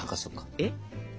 えっ？